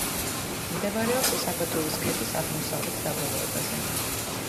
მდებარეობს საბადურის ქედის აღმოსავლეთ დაბოლოებაზე.